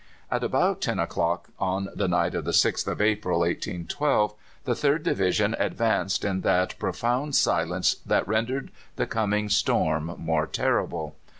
At about ten o'clock on the night of the 6th of April, 1812, the Third Division advanced in that profound silence that rendered the coming storm more terrific.